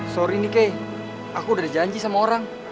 sorry ndike aku udah janji sama orang